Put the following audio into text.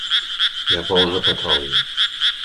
Hi ha pous de petroli.